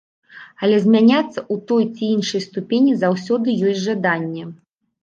Але змяняцца ў той ці іншай ступені заўсёды ёсць жаданне.